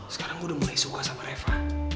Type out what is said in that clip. sekarang gue udah mulai suka sama reva